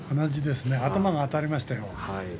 頭があたりましたよ。